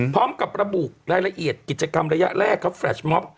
พร้อมกับระบุรายละเอียดกิจกรรมระยะแรกครับแรชม็อป